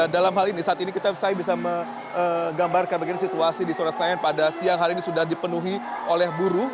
dalam hal ini saat ini saya bisa menggambarkan begini situasi di istora senayan pada siang hari ini sudah dipenuhi oleh buruh